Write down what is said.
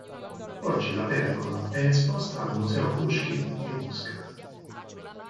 Oggi "La pergola" è esposta al Museo Puškin di Mosca.